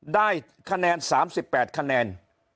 ได้คะแนน๓๘คะแนน